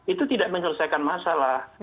itu tidak menyelesaikan masalah